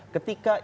ketika isu sarah